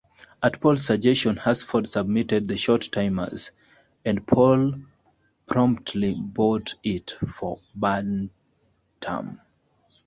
At Pohl's suggestion, Hasford submitted "The Short-Timers", and Pohl promptly bought it for Bantam.